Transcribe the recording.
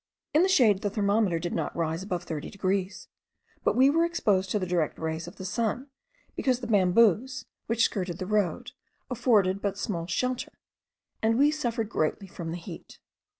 In the shade the thermometer did not rise above 30 degrees: but we were exposed to the direct rays of the sun, because the bamboos, which skirted the road, afforded but small shelter, and we suffered greatly from the heat.